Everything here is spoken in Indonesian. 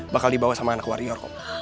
bakal dibawa sama anak warrior kok